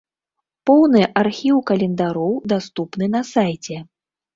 Поўны архіў календароў даступны на сайце.